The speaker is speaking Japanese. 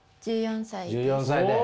１４歳です。